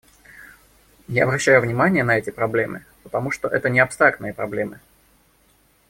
Я обращаю внимание на эти проблемы, потому что это не абстрактные проблемы.